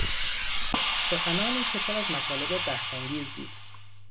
سخنانی که پر از مطالب بحثانگیز بود